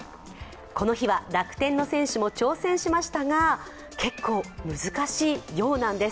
この日は楽天の選手も挑戦しましたが、結構難しいようなんです。